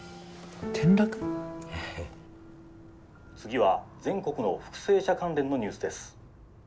「次は全国の復生者関連のニュースです」。